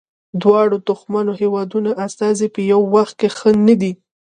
دواړو دښمنو هیوادونو استازي په یوه وخت کې ښه نه دي.